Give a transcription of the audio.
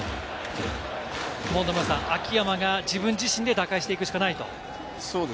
秋山が自分自身で打開していくしかない。